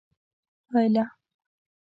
پایله: